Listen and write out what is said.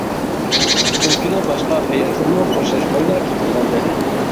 ئۆلكىنىڭ باشقا ھەيئەتلىرىمۇ خوشلاشمايلا كېتىپ قالدى.